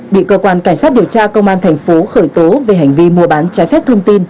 bị cơ quan cảnh sát điều tra công an thành phố khởi tố về hành vi mua bán trái phép thông tin